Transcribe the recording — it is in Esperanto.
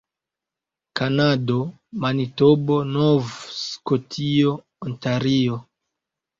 Kanado: Manitobo, Nov-Skotio, Ontario.